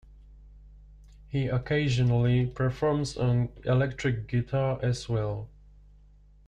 He occasionally performs on electric guitar as well.